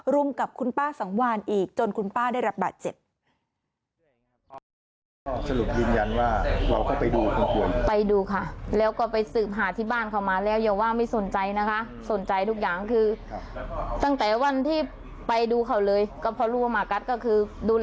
รุมกับคุณป้าสังวานอีกจนคุณป้าได้รับบาดเจ็บ